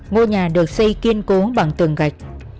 ngôi nhà được xây kiên cố bằng tường gạch